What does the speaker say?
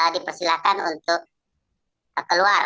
dipersilahkan untuk keluar